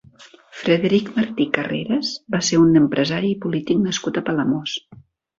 Frederic Martí Carreras va ser un empresari i polític nascut a Palamós.